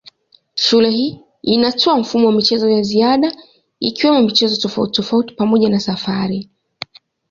Shule hii inatoa mfumo wa michezo ya ziada ikiwemo michezo tofautitofauti pamoja na safari.